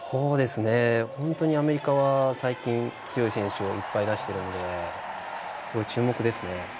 本当にアメリカは最近、強い選手をいっぱい出しているのですごい注目ですね。